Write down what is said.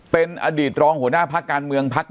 เป็นอดีตรองหัวหน้าภาคการเมืองภาคนั้น